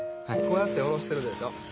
こうやっておろしてるでしょ。